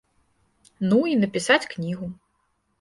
Ну, і напісаць кнігу.